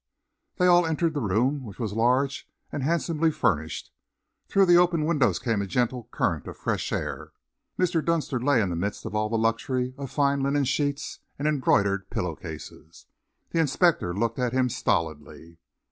They all entered the room, which was large and handsomely furnished. Through the open windows came a gentle current of fresh air. Mr. Dunster lay in the midst of all the luxury of fine linen sheets and embroidered pillow cases. The inspector looked at him stolidly.